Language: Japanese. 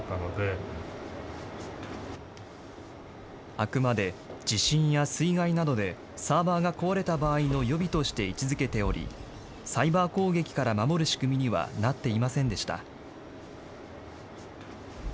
あくまで地震や水害などで、サーバーが壊れた場合の予備として位置づけており、サイバー攻撃から守る仕組みにはなっていませんでした。